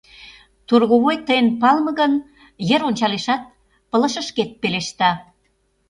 Торговой тыйын палыме гын, йыр ончалешат, пылышышкет пелешта.